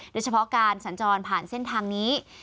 โดยเฉพาะการสัญจรผ่านเส้นทางนี้